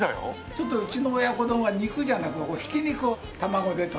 ちょっとうちの親子丼は肉じゃなくひき肉を卵でとじて。